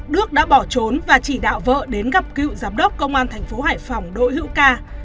đức đã bỏ trốn và chỉ đạo vợ đến gặp cựu giám đốc công an thành phố hải phòng đỗ hữu ca